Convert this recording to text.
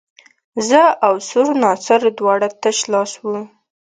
زه او سور ناصر دواړه تش لاس وو.